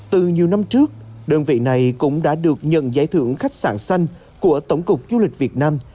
từ nhiều năm trước đơn vị này cũng đã được nhận giải thưởng khách sạn xanh của tổng cục du lịch việt nam